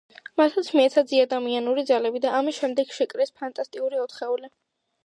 მათაც მიეცათ ზეადამიანური ძალები და ამის შემდეგ შეკრეს ფანტასტიკური ოთხეული.